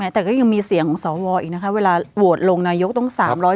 แต่ก็ยังมีเสียงของสวอีกนะคะเวลาโหวตลงนายกต้อง๓๐